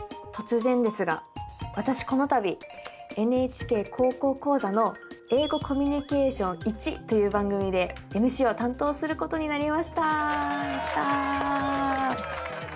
突然ですが私この度「ＮＨＫ高校講座」の「英語コミュニケーションⅠ」という番組でＭＣを担当することになりました。